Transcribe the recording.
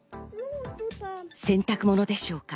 洗濯物でしょうか。